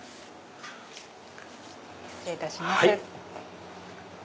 失礼いたします。